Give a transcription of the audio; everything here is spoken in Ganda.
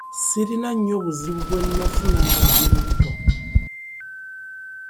Sirina nnyo buzibu bwe nnafuna nga ndi lubuto.